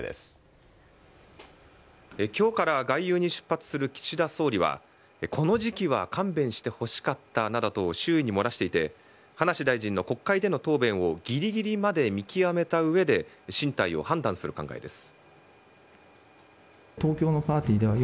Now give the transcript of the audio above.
今日から外遊に出発する岸田総理はこの時期は勘弁してほしかったなどと周囲に漏らしていて葉梨大臣の国会での答弁をぎりぎりまで見極めた上で進退を判断する考えです。